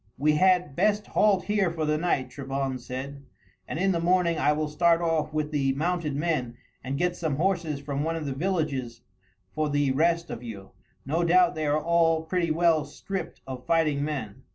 "We had best halt here for the night," Trebon said, "and in the morning I will start off with the mounted men and get some horses from one of the villages for the rest of you. No doubt they are all pretty well stripped of fighting men."